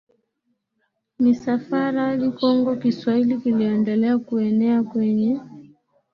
misafara hadi Kongo Kiswahili kiliendelea kuenea kwenye